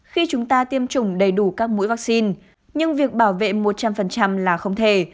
khi chúng ta tiêm chủng đầy đủ các mũi vaccine nhưng việc bảo vệ một trăm linh là không thể